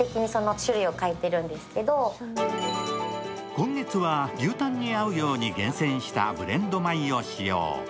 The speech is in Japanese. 今月は牛たんに合うように厳選したブレンド米を使用。